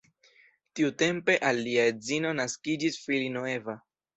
Tiutempe al lia edzino naskiĝis filino Eva.